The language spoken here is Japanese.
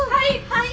はい！